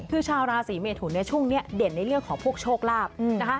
คือชาวราศีเมทุนเนี่ยช่วงนี้เด่นในเรื่องของพวกโชคลาภนะคะ